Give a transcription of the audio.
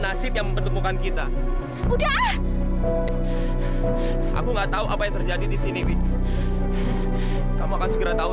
nasib yang mempertemukan kita budaya aku nggak tahu apa yang terjadi di sini kamu akan segera tahu